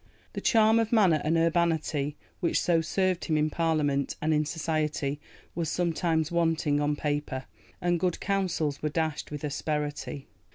The charm of manner and urbanity which so served him in Parliament and in society was sometimes wanting on paper, and good counsels were dashed with asperity."